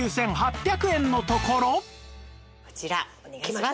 こちらお願いします。